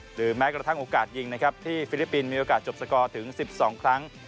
หรือแม้กระทั่งโอกาสยิงนะครับที่ฟิลิปปินส์มีโอกาสจบสกอร์ถึง๑๒ครั้ง